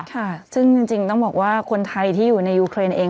ค่ะซึ่งจริงต้องบอกว่าคนไทยที่อยู่ในยูเครนเอง